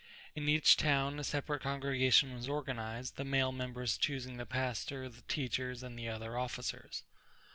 In each town a separate congregation was organized, the male members choosing the pastor, the teachers, and the other officers.